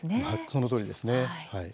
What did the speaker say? そのとおりですね。